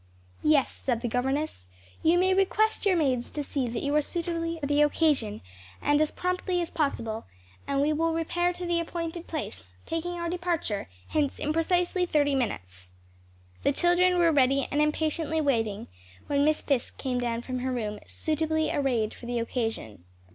"Yes," said the governess, "you may request your maids to see that you are suitably arrayed for the occasion, and as promptly as possible, and we will repair to the appointed place; taking our departure hence in precisely thirty minutes." The children were ready and impatiently waiting, when Miss Fisk came down from her room, "suitably arrayed for the occasion."